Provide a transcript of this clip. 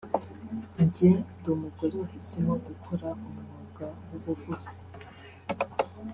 Jye ndi Umugore wahisemo gukora umwuga w’ubuvuzi